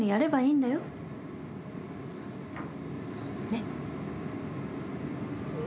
ねっ。